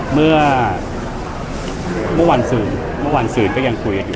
เมื่อเมื่อวันสืนก็ยังคุยอยู่